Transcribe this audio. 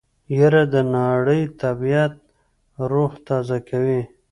يره د ناړۍ طبعيت روح تازه کوي.